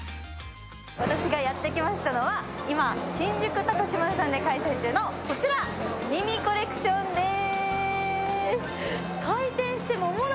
私がやって来ましたのは今、新宿高島屋さんで開催中のこちら、美味コレクションです。